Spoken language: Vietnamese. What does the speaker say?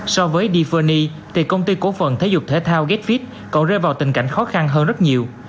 so với deferny thì công ty cổ phần thể dục thể thao gétfith còn rơi vào tình cảnh khó khăn hơn rất nhiều